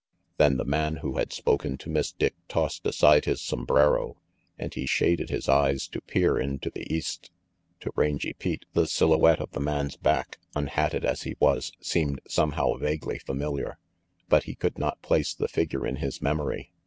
Then the man who had spoken to Miss Dick tossed aside his sombrero, and he shaded his eyes to peer into the east. To Rangy Pete, the silhouette of the man's back, unhatted as he was, seemed somehow vaguely familiar. But he could not place the figure in his memory.